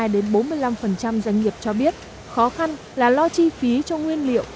bốn mươi hai bốn mươi năm doanh nghiệp cho biết khó khăn là lo chi phí cho nguyên liệu